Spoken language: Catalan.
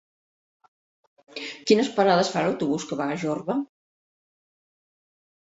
Quines parades fa l'autobús que va a Jorba?